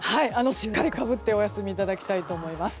しっかりかぶってお休みいただきたいと思います。